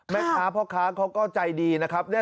แม่ค้าพ่อค้าเขาก็ใจดีนะครับ